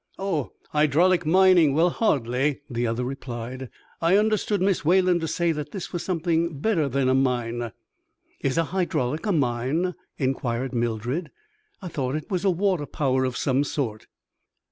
"Oh, hydraulic mining? Well, hardly!" the other replied. "I understood Miss Wayland to say that this was something better than a mine." "Is a hydraulic a mine?" inquired Mildred; "I thought it was a water power of some sort!"